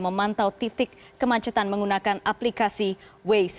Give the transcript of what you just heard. memantau titik kemacetan menggunakan aplikasi waze